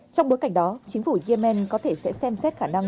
trong bối cảnh đó chính phủ yemen có thể sẽ xem xét khả năng